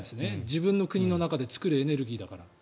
自分の国の中で作るエネルギーだから。